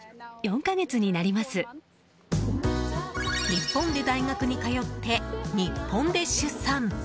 日本で大学に通って日本で出産。